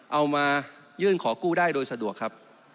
เอามายื่นขอกู้ได้โดยสะดวกครับ